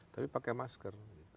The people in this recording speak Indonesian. tapi pakai masker